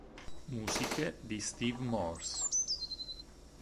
Musiche di Steve Morse